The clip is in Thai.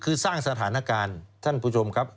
คือสร้างสถานการณ์ท่านผู้ชมครับ